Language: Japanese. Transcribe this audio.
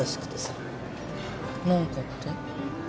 何かって？